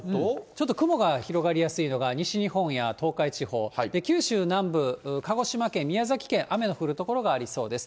ちょっと雲が広がりやすいのが、西日本や東海地方、九州南部、鹿児島県、宮崎県、雨の降る所がありそうです。